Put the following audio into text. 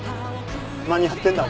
何やってんだ？